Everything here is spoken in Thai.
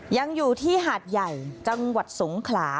ยังอยู่ที่หาดใหญ่จังหวัดสงขลา